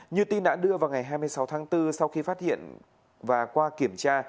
như tin đã đưa vào ngày hai mươi sáu tháng bốn sau khi phát hiện và qua kiểm tra